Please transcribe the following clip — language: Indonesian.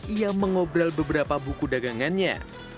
ia mengobrol beberapa buku dagangannya